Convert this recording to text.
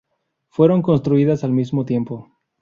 Fueron construidas al mismo tiempo.